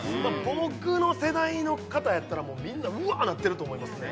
僕の世代の方やったらみんな「うわあ」なってると思いますね